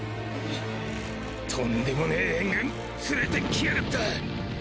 とんでもね援軍連れてきやがった